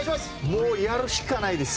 もうやるしかないです。